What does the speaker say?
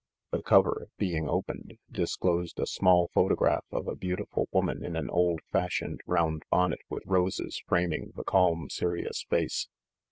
The cover, being opened, disclosed a small photograph of a beautiful woman in an old fashioned round bonnet with roses framing the calm serious face.